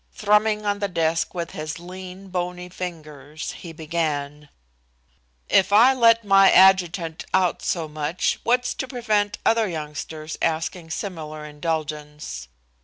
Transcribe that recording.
Thrumming on the desk with his lean, bony fingers he began: "If I let my adjutant out so much, what's to prevent other youngsters asking similar indulgence?"